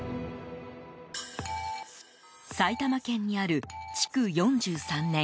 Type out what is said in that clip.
埼玉県にある築４３年